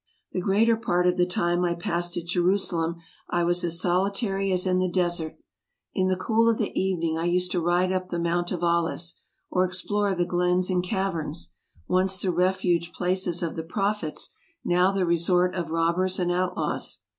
The greater part of the time I passed at Jerusalem I was as solitary as in the desert. In the cool of the evening I used to ride up the Mount of Olives, or explore the glens 256 TRAVELERS AND EXPLORERS and caverns, once the refuge places of the Prophets, now the resort of robbers and outlaws.